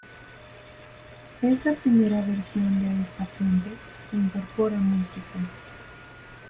Es la primera versión de esta fuente que incorpora música.